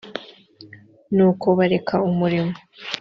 n uko bareka umurimo